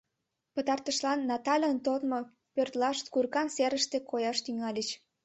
Пытартышлан, Натальын тодмо пӧртлашт курыкан серыште кояш тӱҥальыч.